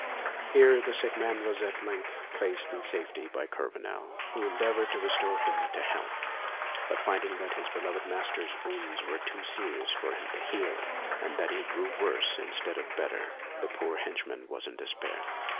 Here the sick man was at length placed in safety by Kurvenal, who endeavoured to restore him to health; but finding that his beloved master's wounds were too serious for him to heal, and that he grew worse instead of better, the poor henchman was in despair.